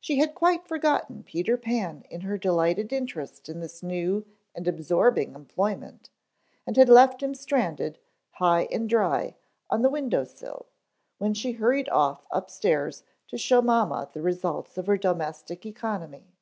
She had quite forgotten Peter Pan in her delighted interest in this new and absorbing employment, and had left him stranded, high and dry, on the window sill, when she hurried off upstairs to show to mamma the results of her domestic economy.